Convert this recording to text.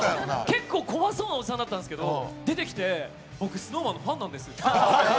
結構、怖そうなおじさん出てきて出てきて僕、ＳｎｏｗＭａｎのファンなんですって。